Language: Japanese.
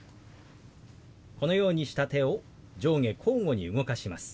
このようにした手を上下交互に動かします。